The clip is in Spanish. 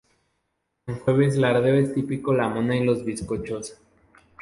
En Jueves Lardero es típico la mona y los bizcochos.